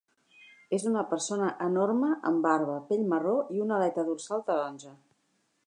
És una persona enorme amb barba, pell marró i una aleta dorsal taronja.